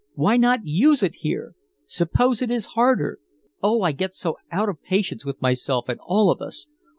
Why not use it here? Suppose it is harder! Oh, I get so out of patience with myself and all of us!